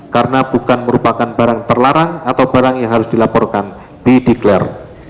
karena bukan merupakan barang terlarang atau barang yang harus dilaporkan dideklar